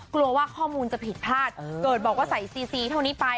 กลัวว่าข้อมูลจะผิดพลาดเกิดบอกว่าใส่ซีซีเท่านี้ไป